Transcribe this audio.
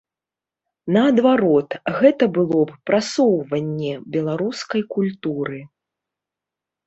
Наадварот, гэта было б прасоўванне беларускай культуры.